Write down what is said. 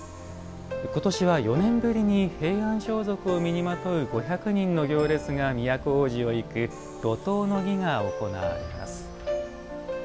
今年は４年ぶりに平安装束を身にまとう５００人の行列が都大路を行く路頭の儀が行われます。